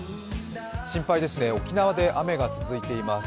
心配ですね、沖縄で雨が続いています。